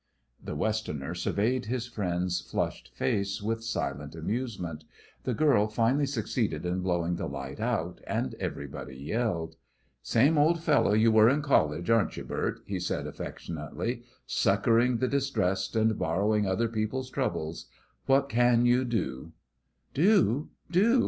The Westerner surveyed his friend's flushed face with silent amusement. The girl finally succeeded in blowing the light out, and everybody yelled. "Same old fellow you were in college, aren't you, Bert?" he said, affectionately; "succouring the distressed and borrowing other people's troubles. What can you do?" "Do, do!